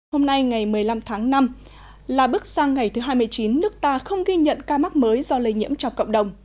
hôm nay ngày một mươi năm tháng năm là bước sang ngày thứ hai mươi chín nước ta không ghi nhận ca mắc mới do lây nhiễm chọc cộng đồng